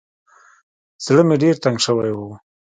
زړه مې ډېر تنګ سوى و.